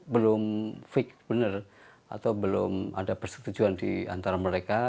belum fix benar atau belum ada persetujuan di antara mereka